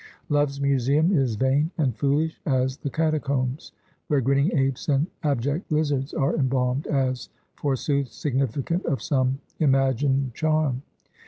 Love's museum is vain and foolish as the Catacombs, where grinning apes and abject lizards are embalmed, as, forsooth, significant of some imagined charm.